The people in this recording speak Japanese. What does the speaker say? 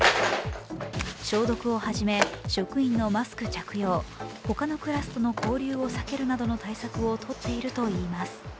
消毒をはじめ、職員のマスク着用、他のクラスとの交流を避けるなどの対策を取っているといいます。